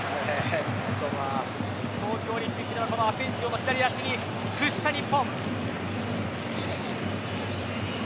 東京オリンピックではアセンシオの左足に屈した日本。